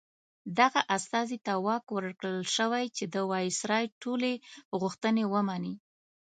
دغه استازي ته واک ورکړل شوی چې د وایسرا ټولې غوښتنې ومني.